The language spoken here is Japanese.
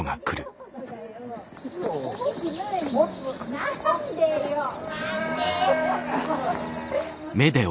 何でよ。